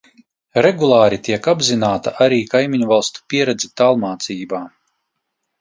Regulāri tiek apzināta arī kaimiņvalstu pieredze tālmācībā.